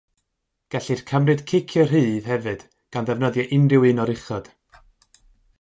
Gellir cymryd ciciau rhydd hefyd gan ddefnyddio unrhyw un o'r uchod.